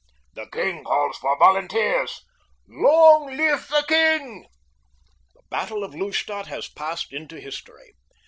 "The king calls for volunteers!" "Long live the king!" The battle of Lustadt has passed into history.